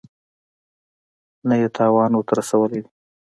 نه یې تاوان ورته رسولی وي.